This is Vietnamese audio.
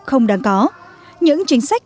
không đáng có những chính sách